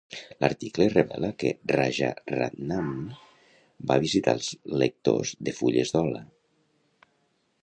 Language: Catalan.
L'article revela que Rajaratnam va visitar els lectors de fulles d'ola.